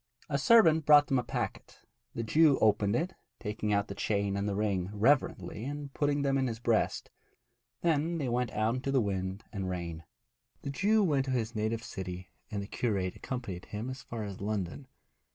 A servant brought them a packet. The Jew opened it, taking out the chain and the ring reverently and putting them in his breast. Then they went out into the wind and the rain. The Jew went to his native city, and the curate accompanied him as far as London.